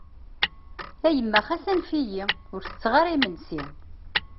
A yemma xas anef-iyi! Ur tettaɣ ara imensi.